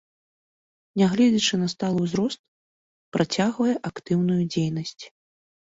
Нягледзячы на сталы ўзрост, працягвае актыўную дзейнасць.